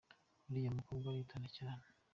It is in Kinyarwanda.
Uriya mukobwa aritonda cyane.